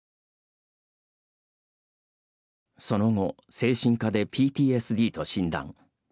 その後、精神科でＰＴＳＤと診断。